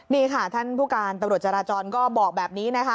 นี่ค่ะท่านผู้การตำรวจจราจรก็บอกแบบนี้นะคะ